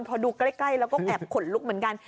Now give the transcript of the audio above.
พอดูใกล้แล้วก็แอบขนลุกเหมือนกัน